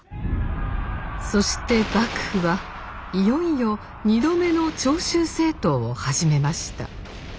そして幕府はいよいよ２度目の長州征討を始めました。